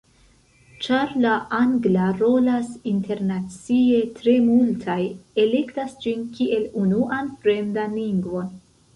Ĉar la angla rolas internacie, tre multaj elektas ĝin kiel unuan fremdan lingvon.